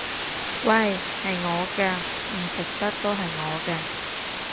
喂！係我㗎！唔食得都係我㗎！